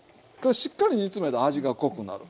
しっかり煮詰めたら味が濃くなる。